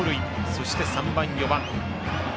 そして３番、４番。